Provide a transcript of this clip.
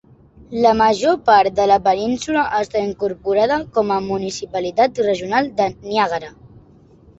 La major part de la península està incorporada com a Municipalitat Regional de Niàgara.